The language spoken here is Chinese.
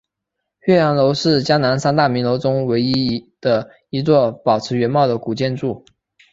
岳阳楼是江南三大名楼中唯一的一座保持原貌的古建筑。